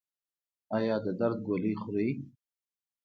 ایا د درد ګولۍ خورئ؟